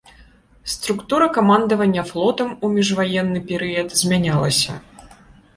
Структура камандавання флотам у міжваенны перыяд змянялася.